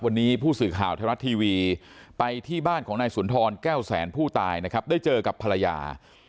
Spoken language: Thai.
วันนี้ผู้สื่อข่าวไทยรัฐทีวีไปที่บ้านของนายสุนทรแก้วแสนผู้ตายนะครับได้เจอกับภรรยา